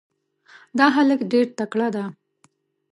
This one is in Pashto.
دا هلک ډېر تکړه ده.